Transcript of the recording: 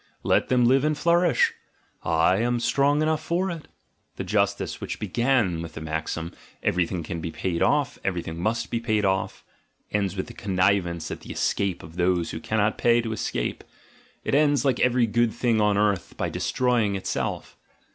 "Let them live and flourish! I am strong enough for it." — The justice which began with the maxim, "Everything can be paid off, everything must be paid off," ends with connivance at the escape of those who cannot pay to escape — it ends, like every good thing on earth, by destroying itself.